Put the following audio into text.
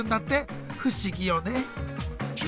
不思議よね。